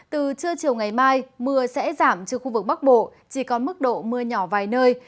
từ trưa chiều ngày mai mưa sẽ giảm trên khu vực bắc bộ chỉ còn mức độ mưa nhỏ vài nơi